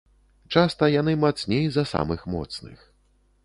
Часта яны мацней за самых моцных.